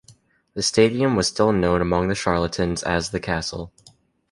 The stadium was still known among Charlotteans as The Castle.